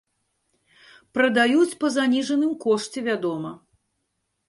Прадаюць па заніжаным кошце, вядома.